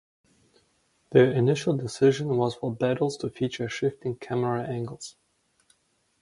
The initial decision was for battles to feature shifting camera angles.